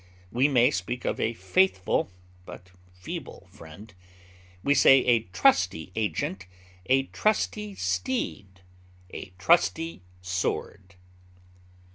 We may speak of a faithful but feeble friend; we say a trusty agent, a trusty steed, a trusty sword.